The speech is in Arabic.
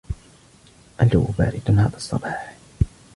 الجو بارد هذا الصباح.